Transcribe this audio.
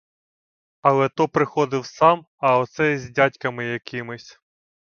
Але то приходив сам, а оце із дядьками якимись.